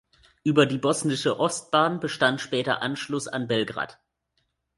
Über die Bosnische Ostbahn bestand später Anschluss an Belgrad.